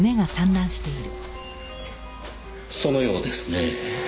そのようですねぇ。